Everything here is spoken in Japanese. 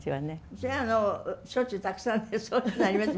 それはしょっちゅうたくさんそういうのはありました。